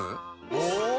お！